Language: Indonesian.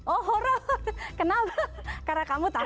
oh horror kenapa karena kamu takut